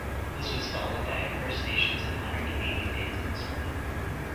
This was followed by a First Nations and modern Canadian dancing display.